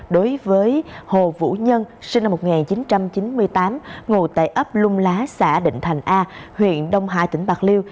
đối với hồ vũ nhân sinh năm một nghìn chín trăm chín mươi tám ngủ tại ấp lung lá xã định thành a huyện đông hà tỉnh bạc liêu